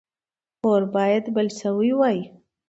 اور باید بل شوی وای.